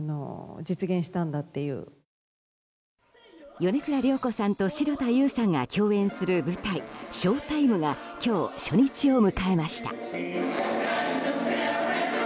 米倉涼子さんと城田優さんが共演する舞台「ＳＨＯＷＴＩＭＥ」が今日、初日を迎えました。